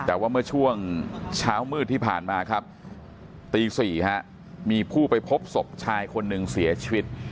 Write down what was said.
แต่ว่าเมื่อช่วงเช้ามืดที่ผ่านมาครับตี๔มีผู้ไปพบศพชายคนหนึ่งเสียชีวิต